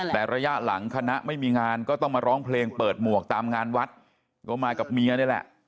แต่ระยะหลังคณะไม่มีงานก็ต้องมาร้องเพลงเปิดหมวกตามงานวัดก็มากับเมียนี่แหละ